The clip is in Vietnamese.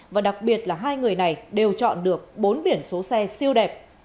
và đặc biệt là hai người này đều chọn được bốn biển số xe siêu đẹp